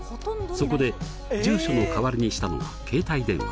そこで住所の代わりにしたのが携帯電話。